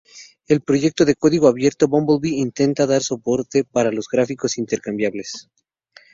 El proyecto de código abierto Bumblebee intenta dar soporte para los gráficos intercambiables.